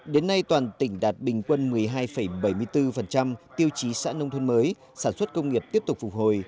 đến nay toàn tỉnh đạt bình quân một mươi hai bảy mươi bốn tiêu chí xã nông thôn mới sản xuất công nghiệp tiếp tục phục hồi